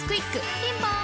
ピンポーン